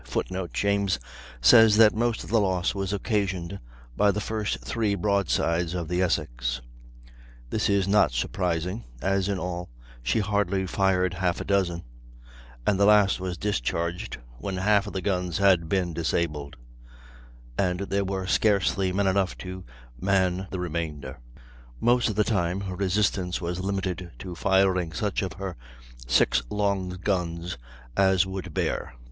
[Footnote: James says that most of the loss was occasioned by the first three broadsides of the Essex; this is not surprising, as in all she hardly fired half a dozen, and the last were discharged when half of the guns had been disabled, and there were scarcely men enough to man the remainder. Most of the time her resistance was limited to firing such of her six long guns as would bear.